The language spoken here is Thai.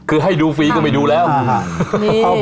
คือให้ดูฟรีก็ไม่ดูแล้วอ่าฮะ